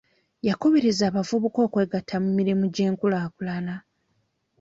Yakubiriza abavubuka okwegatta ku mirimu gy'enkulaakulana.